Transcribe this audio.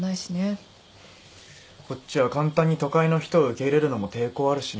こっちは簡単に都会の人を受け入れるのも抵抗あるしな。